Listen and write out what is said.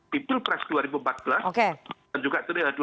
di pilpres dua ribu empat belas dan juga dua ribu sembilan belas